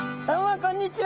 こんにちは。